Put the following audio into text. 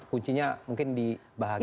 kuncinya mungkin di bahagia